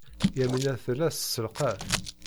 Yamina tella tesselqaf.